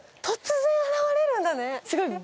突然現れるんだね。